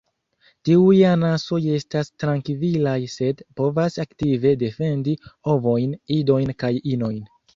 Tiuj anasoj estas trankvilaj, sed povas aktive defendi ovojn, idojn kaj inojn.